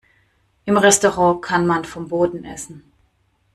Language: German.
Im Restaurant kann man vom Boden essen.